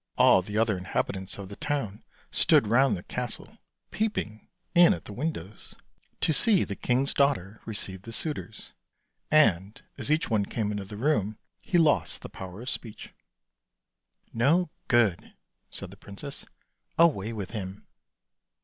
All the other inhabitants of the town stood round the castle, peeping in at the windows to see the king's daughter receive the suitors, and as each one came into the room he lost the power of speech. " No good," said the princess, " away with him!